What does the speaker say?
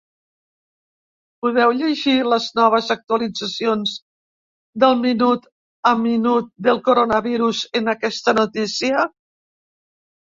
Podeu llegir les noves actualitzacions del minut a minut del coronavirus en aquesta notícia.